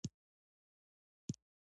هلک د سیورو شنه، شنه څاڅکي